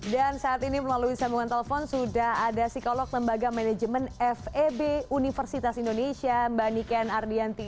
dan saat ini melalui sambungan telepon sudah ada psikolog lembaga manajemen feb universitas indonesia mbak niken ardianti